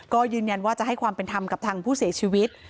ก็ยืนยันว่าจะให้ความเป็นธรรมกับทางผู้เสียชีวิต